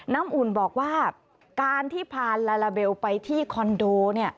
อุ่นบอกว่าการที่พาลาลาเบลไปที่คอนโด